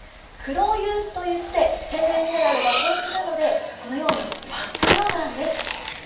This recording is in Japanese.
黒湯といって天然ミネラルが豊富なのでこのように真っ黒なんです。